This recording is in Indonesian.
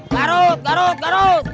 garut garut garut